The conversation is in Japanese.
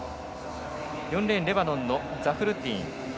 ４レーン、レバノンザフルッディーン。